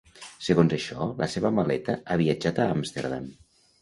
Segons això, la seva maleta ha viatjat a Amsterdam.